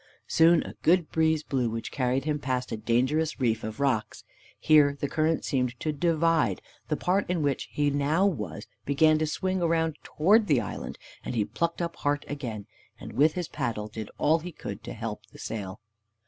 Soon a good breeze blew, which carried him past a dangerous reef of rocks. Here the current seemed to divide, the part in which he now was began to swing round towards the island, and he plucked up heart again, and with his paddle did all he could to help the sail.